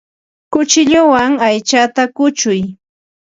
Kuchukuwan aychata kuchuy.